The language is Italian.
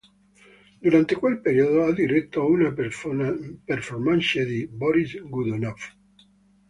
Durante quel periodo, ha diretto una performance di "Boris Godunov".